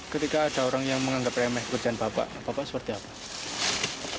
ketika ada orang yang menganggap remeh pekerjaan bapak bapak seperti apa